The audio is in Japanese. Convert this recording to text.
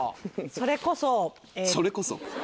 「それこそ」。